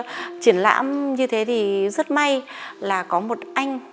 chúng tôi triển lãm như thế thì rất may là có một anh